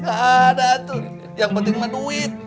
gak ada tuh yang penting mah duit